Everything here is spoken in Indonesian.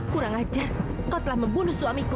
kurang ajar kau telah membunuh suamiku